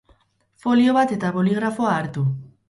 Folio bat eta boligrafoa hartu.